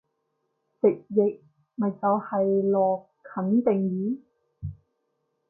直譯咪就係落肯定雨？